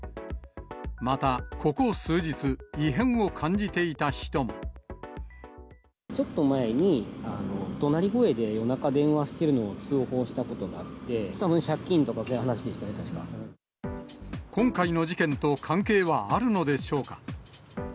また、ここ数日、ちょっと前に、どなり声で、夜中、電話してるのを通報したことがあって、借金とか、今回の事件と関係はあるのでしょうか。